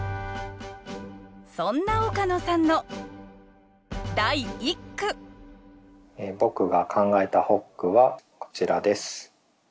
そんな岡野さんの第一句僕が考えた発句はこちらです。